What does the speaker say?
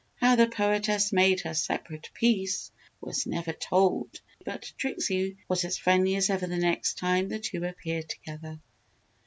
How the poetess made her "separate peace" was never told but Trixie was as friendly as ever the next time the two appeared together.